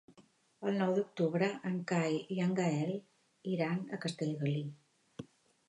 El nou d'octubre en Cai i en Gaël iran a Castellgalí.